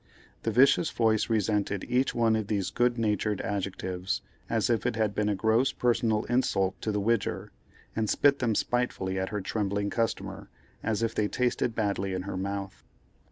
(The vicious voice resented each one of these good natured adjectives, as if it had been a gross personal insult to the Widger, and spit them spitefully at her trembling customer, as if they tasted badly in her mouth.)